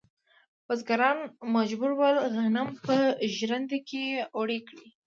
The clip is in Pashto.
بزګران مجبور ول غنم په ژرندو کې اوړه کړي.